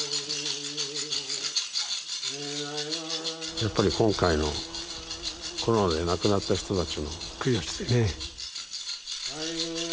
やっぱり今回のコロナで亡くなった人たちの供養してね。